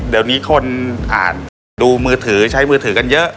เดี๋ยวนี้คนอ่านดูมือถือใช้มือถือกันเยอะ